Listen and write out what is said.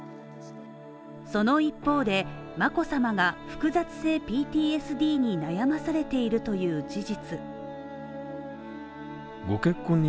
その一方で、眞子さまが複雑性ＰＴＳＤに悩まされているという事実。